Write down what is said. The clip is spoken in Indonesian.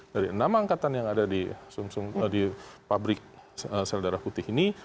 dari enam angkatan yang ada di pabrik sel darah putih ini